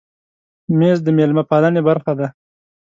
مېز د مېلمه پالنې برخه ده.